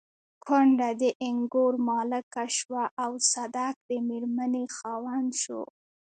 کونډه د اينګور مالکه شوه او صدک د مېرمنې خاوند شو.